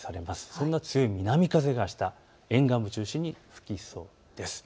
そんな強い南風があした沿岸部を中心に吹きそうです。